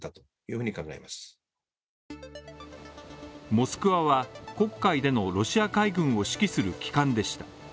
モスクワは、黒海でのロシア海軍を指揮する旗艦でした。